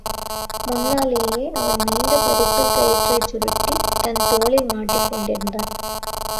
முன்னாலேயே அவன் நீண்ட பரிசல் கயிற்றைச் சுருட்டித் தன் தோளில் மாட்டிக்கொண்டிருந்தான்.